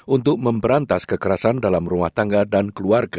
untuk memberantas kekerasan dalam rumah tangga dan keluarga